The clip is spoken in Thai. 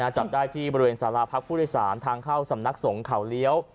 จับได้ที่บริเวณสาราพักผู้โดยสารทางเข้าสำนักสงฆ์เขาเลี้ยว